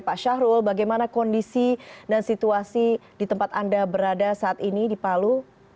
pak syahrul bagaimana kondisi dan situasi di tempat anda berada saat ini di palu